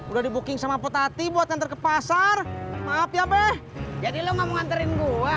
udah di booking sama potati buat ngantre ke pasar maaf ya be jadi lu ngomong anterin gua